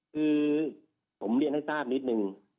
คือผมเรียนให้ทราบนิดนึง